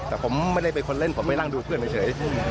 แต่ผมไม่ได้เป็นคนเล่นผมไม่นั่งดูเพื่อนเฉย